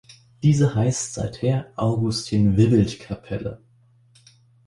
Diese heißt seither Augustin-Wibbelt-Kapelle.